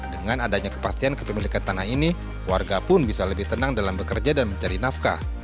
dengan adanya kepastian kepemilikan tanah ini warga pun bisa lebih tenang dalam bekerja dan mencari nafkah